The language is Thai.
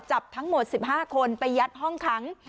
จับทั้งหมด๑๕คนไปยัดห้องขัง